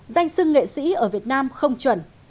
danh sưng nghệ sĩ ở việt nam không chuẩn